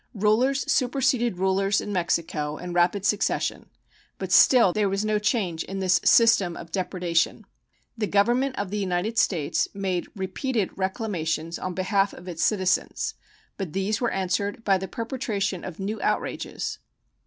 Rulers superseded rulers in Mexico in rapid succession, but still there was no change in this system of depredation. The Government of the United States made repeated reclamations on behalf of its citizens, but these were answered by the perpetration of new outrages.